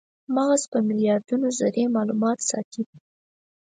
مغز په میلیاردونو ذرې مالومات ساتي.